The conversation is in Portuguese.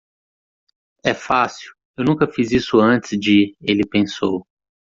É fácil? e eu nunca fiz isso antes de? ele pensou.